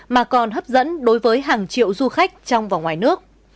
mà còn hấp dẫn đối với hàng triệu du khách trong và ngoài nước